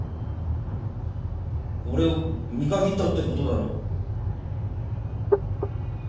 俺を見限ったって事だろ？